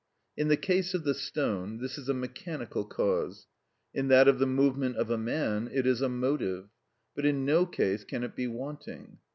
In the case of the stone, this is a mechanical cause; in that of the movement of a man, it is a motive; but in no case can it be wanting.